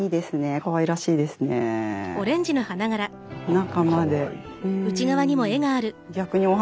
中まで。